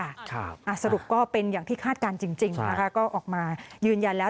อ่ะสรุปก็เป็นอย่างที่คาดการณ์จริงก็ออกมายืนยันแล้ว